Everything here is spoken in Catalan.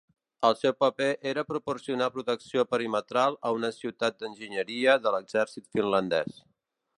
El seu paper era proporcionar protecció perimetral a una unitat d'enginyeria de l'exèrcit finlandès.